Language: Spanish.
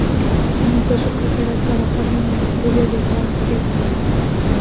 Comenzó su carrera trabajando en el estudio de Walt Disney.